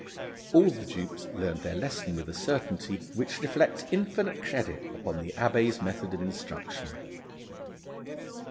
All the dupes learned their lesson with a certainty which reflects infinite credit upon the Abbé's method of instruction.